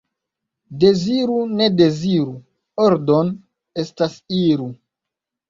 Deziru, ne deziru — ordon' estas, iru!